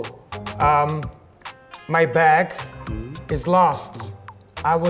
oh bagaimana bagi kamu kehilangan